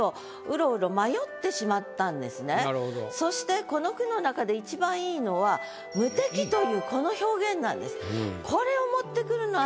そこがちょっとそしてこの句の中でいちばんいいのは「無敵」というこの表現なんです。